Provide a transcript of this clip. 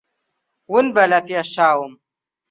ون بە لە پێش چاوم.